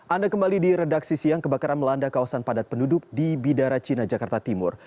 anda kembali di redaksi siang kebakaran melanda kawasan padat penduduk di bidara cina jakarta timur